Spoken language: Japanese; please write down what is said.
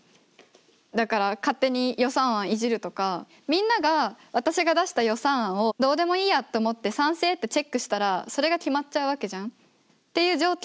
だから勝手に予算案いじるとかみんなが私が出した予算案をどうでもいいやって思って「賛成」ってチェックしたらそれが決まっちゃうわけじゃん。っていう状況。